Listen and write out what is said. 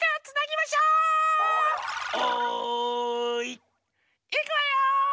いくわよ！